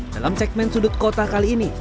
dalam segmen sudut kota kali ini